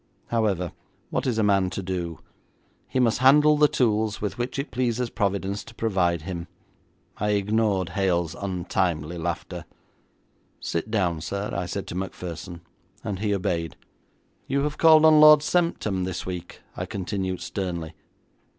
However, what is a man to do? He must handle the tools with which it pleases Providence to provide him. I ignored Hale's untimely laughter. 'Sit down, sir,' I said to Macpherson, and he obeyed. 'You have called on Lord Semptam this week,' I continued sternly.